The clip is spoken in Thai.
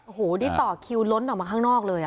โอ้โหนี่ต่อคิวล้นออกมาข้างนอกเลย